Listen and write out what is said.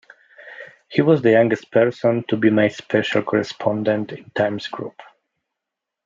He was the youngest person to be made special correspondent in the Times Group.